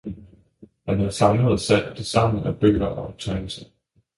han havde samlet og sat det sammen af bøger og optegnelser.